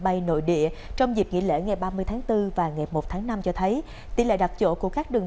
bay nội địa trong dịp nghỉ lễ ngày ba mươi tháng bốn và ngày một tháng năm cho thấy tỷ lệ đặt chỗ của các đường